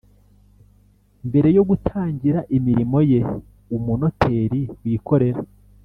Mbere yo gutangira imirimo ye umunoteri wikorera